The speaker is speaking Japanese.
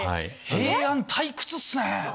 平安退屈っすね。